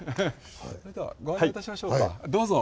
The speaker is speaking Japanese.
それではご案内いたしましょうかどうぞ。